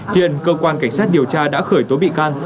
hiện cơ quan cảnh sát điều tra đã khởi tố bị can